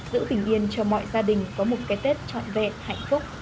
giữ bình yên cho mọi gia đình có một cái tết trọn vẹn hạnh phúc